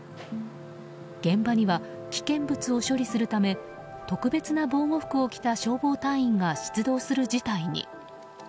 現場には危険物を処理するため特別な防護服を着た消防隊員が出動する事態に。